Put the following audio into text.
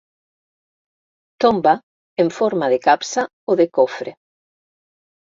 Tomba en forma de capsa o de cofre.